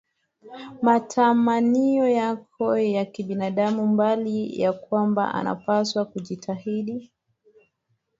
matamanio yake ya kibinadamu mbali ya kwamba anapaswa kujitahidi